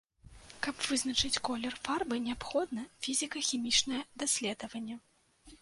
Каб вызначыць колер фарбы, неабходна фізіка-хімічнае даследаванне.